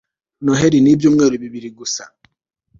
noheri ni ibyumweru bibiri gusa